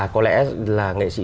có lẽ là nghệ sĩ